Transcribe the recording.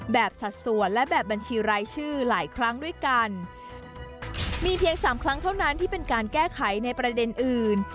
สัดส่วนและแบบบัญชีรายชื่อหลายครั้งด้วยกันมีเพียงสามครั้งเท่านั้นที่เป็นการแก้ไขในประเด็นอื่น